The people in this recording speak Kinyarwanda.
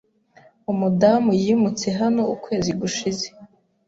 Umudamu yimutse hano ukwezi gushize.